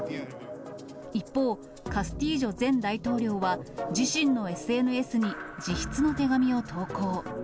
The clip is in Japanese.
一方、カスティージョ前大統領は、自身のＳＮＳに自筆の手紙を投稿。